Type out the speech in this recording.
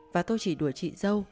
và tôi chỉ đuổi chị dâu